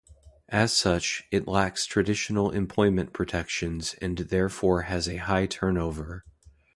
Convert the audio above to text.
As such, it lacks traditional employment protections and therefore has a high turnover.